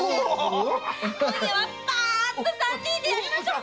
今夜はパッと三人でやりましょ！ね！